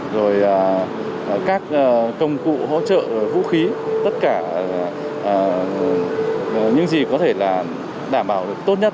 rồi các công cụ hỗ trợ vũ khí tất cả những gì có thể là đảm bảo tốt nhất